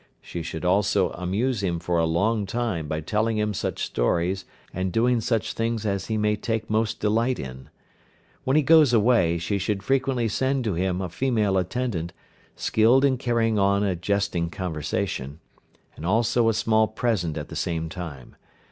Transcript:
She should also amuse him for a long time by telling him such stories, and doing such things as he may take most delight in. When he goes away she should frequently send to him a female attendant, skilled in carrying on a jesting conversation, and also a small present at the same time.